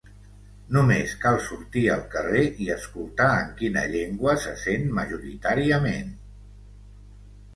Només cal sortir al carrer i escoltar en quina llengua se sent majoritàriament….